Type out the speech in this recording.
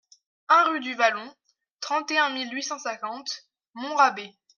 un rUE DU VALLON, trente et un mille huit cent cinquante Montrabé